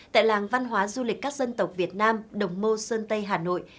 tại làng văn hóa du lịch các dân tộc việt nam đồng mô sơn tây hà nội